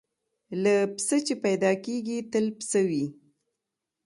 له پسه چي پیدا کیږي تل پسه وي